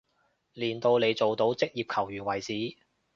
練到你做到職業球員為止